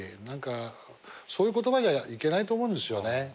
何かそういう言葉じゃいけないと思うんですよね。